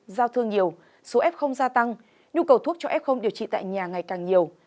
giao thương nhiều số f gia tăng nhu cầu thuốc cho f điều trị tại nhà ngày càng nhiều